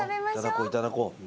いただこういただこう。